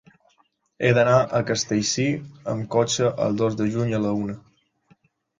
He d'anar a Castellcir amb cotxe el dos de juny a la una.